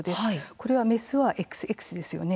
これはメスはＸＸですよね。